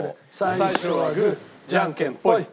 最初はグーじゃんけんぽい！